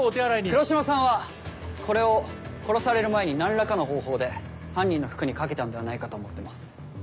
黒島さんはこれを殺される前に何らかの方法で犯人の服にかけたのではないかと思ってます。